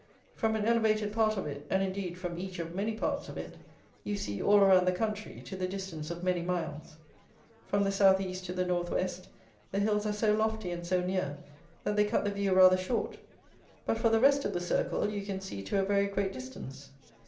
From an elevated part of it, and, indeed, from each of many parts of it, you see all around the country to the distance of many miles. From the South East to the North West, the hills are so lofty and so near, that they cut the view rather short; but for the rest of the circle you can see to a very great distance.